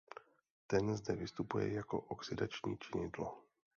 Ten zde vystupuje jako oxidační činidlo.